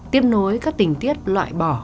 tiếp nối các tình tiết loại bỏ